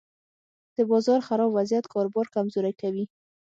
د بازار خراب وضعیت کاروبار کمزوری کوي.